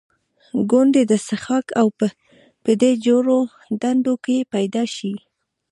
ګوندې د څښاک اوبه په دې جوړو ډنډوکو کې پیدا شي.